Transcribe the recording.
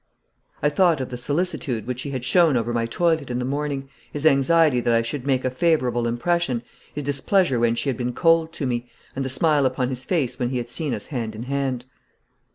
I thought of the solicitude which he had shown over my toilet in the morning, his anxiety that I should make a favourable impression, his displeasure when she had been cold to me, and the smile upon his face when he had seen us hand in hand.